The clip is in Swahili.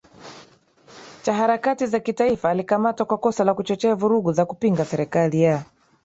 cha harakati za kitaifa alikamatwa kwa kosa la kuchochea vurugu za kupinga serikali ya